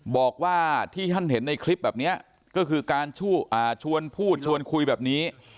บอกว่าที่ท่านเห็นในคลิปแบบนี้ก็คือการชวนพูดชวนคุยแบบนี้